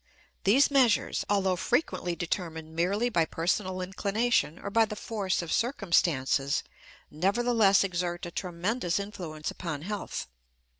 These measures, although frequently determined merely by personal inclination or by the force of circumstances, nevertheless exert a tremendous influence upon health.